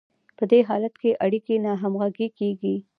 په دې حالت کې اړیکې ناهمغږې کیږي.